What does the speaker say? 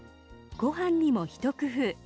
ご飯にも一工夫。